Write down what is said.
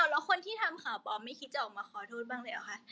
แล้วคนที่ทำข่าวปลอมไม่คิดจะออกมาขอโทษบ้างเลยเหรอคะ